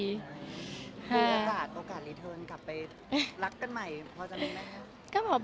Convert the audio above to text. มีโอกาสโอกาสรีเทิร์นกลับไปรักกันใหม่พอจะมีไหมครับ